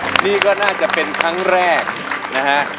นี่ก็น่าจะเป็นครั้งแรกนะฮะ